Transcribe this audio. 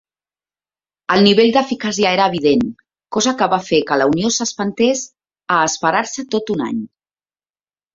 El nivell d'eficàcia era evident, cosa que va fer que la unió s'espantés a esperar-se tot un any.